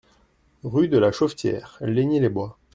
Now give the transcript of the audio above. Rue de la Chauffetiere, Leigné-les-Bois